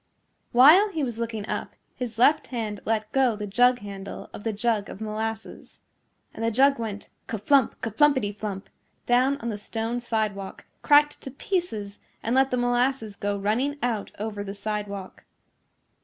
While he was looking up his left hand let go the jug handle of the jug of molasses. And the jug went ka flump, ka flumpety flump down on the stone sidewalk, cracked to pieces and let the molasses go running out over the sidewalk.